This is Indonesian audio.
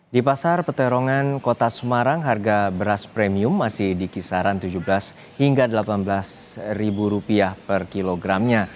di pasar peterongan kota semarang harga beras premium masih di kisaran rp tujuh belas hingga rp delapan belas per kilogramnya